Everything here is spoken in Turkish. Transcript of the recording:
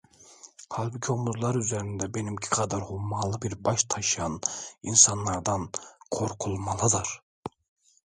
Halbuki omuzları üzerinde benimki kadar hummalı bir baş taşıyan insanlardan korkulmalıdır…